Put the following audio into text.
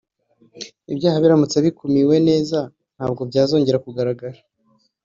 « ibyaha biramutse bikumiwe neza ntabwo byazongera kugaragara